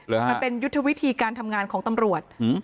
มันเป็นยุทธวิธีการทำงานของตำรวจ